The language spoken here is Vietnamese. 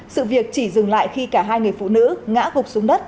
sự việc chỉ dừng lại khi cả hai người phụ nữ ngã gục xuống đất